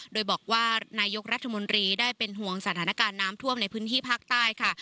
โดยบอกว่านายกรัฐมนตรีได้เป็นห่วงสถานการณ์น้ำท่วมในพื้นที่ภาคใต้ค่ะ